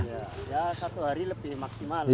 ya satu hari lebih maksimal ya